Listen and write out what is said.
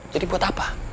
jadi buat apa